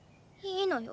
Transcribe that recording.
いいのよ